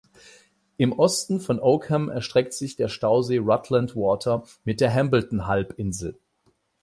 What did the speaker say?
Im Osten von Oakham erstreckt sich der Stausee Rutland Water mit der Hambleton Halbinsel.